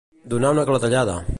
Donar una clatellada.